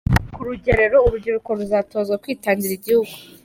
Ku Rugerero urubyiruko ruzatozwa kwitangira igihugu